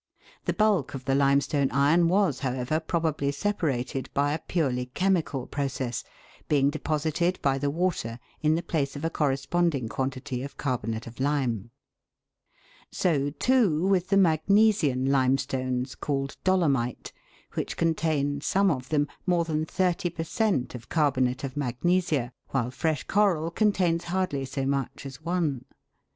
The bulk of the limestone iron was, however, probably separated by a purely chemical process, being deposited by the water in the place of a corresponding quantity of carbonate of lime. So, too, with the magnesian limestones, called dolomite, which contain, some of them, more than thirty per cent, of carbonate of magnesia, while fresh coral contains hardly so much as one.